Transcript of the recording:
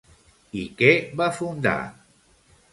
I què va fundar?